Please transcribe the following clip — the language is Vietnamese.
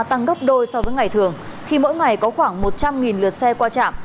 tăng gấp đôi so với ngày thường khi mỗi ngày có khoảng một trăm linh lượt xe qua trạm